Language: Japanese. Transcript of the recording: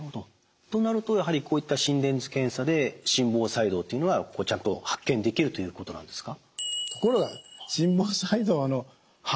となるとやはりこういった心電図検査で心房細動というのはちゃんと発見できるということなんですか？